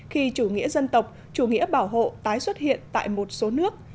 khi chủ nghĩa dân tộc chủ nghĩa bảo hộ tái xuất hiện tại một số nước